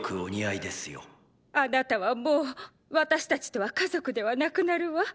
あなたはもう私たちとは家族ではなくなるわ。